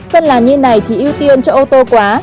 phân làn như này thì ưu tiên cho ô tô quá